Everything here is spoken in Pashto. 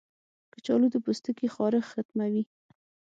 کچالو د پوستکي خارښ ختموي.